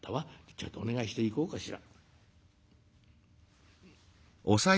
ちょいとお願いしていこうかしら」。